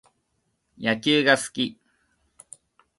野球が好き